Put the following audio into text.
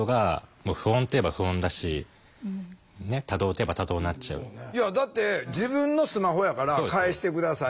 やばくてだからいやだって自分のスマホやから返して下さい。